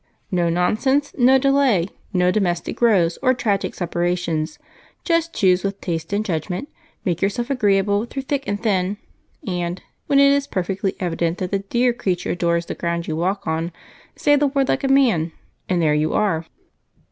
"No nonsense, no delay, no domestic rows or tragic separations. Just choose with taste and judgment, make yourself agreeable through thick and thin, and when it is perfectly evident that the dear creature adores the ground you walk on, say the word like a man, and there you are."